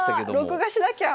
録画しなきゃ！